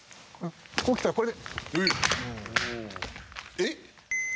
えっ。